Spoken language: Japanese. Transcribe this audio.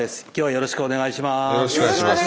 よろしくお願いします。